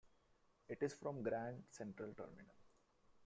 It is from Grand Central Terminal.